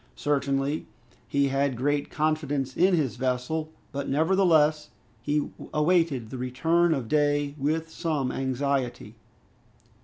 Certainly, he had great confidence in his vessel, but nevertheless he awaited the return of day with some anxiety.